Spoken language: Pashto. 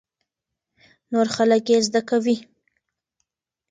نور خلک يې زده کوي.